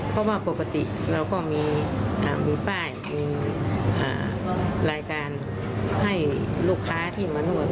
เพราะว่าปกติเราก็มีป้ายมีรายการให้ลูกค้าที่มานวด